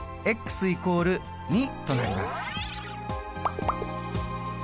＝２となります。